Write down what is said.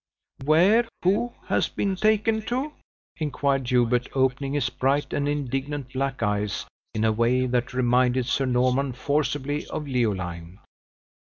"Where who has been taken to?" inquired Hubert, opening his bright and indignant black eyes in a way that reminded Sir Norman forcibly of Leoline.